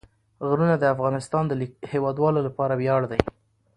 غرونه د افغانستان د هیوادوالو لپاره ویاړ دی.